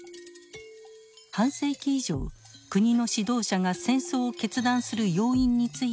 半世紀以上国の指導者が戦争を決断する要因について研究してきました。